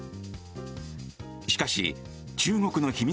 しかし中国の秘密